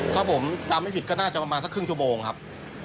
ถ้าผมจำไม่ผิดก็น่าจะประมาณสักครึ่งชั่วโมงครับ